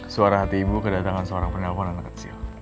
suara hati ibu kedatangan seorang penyelenggaraan kecil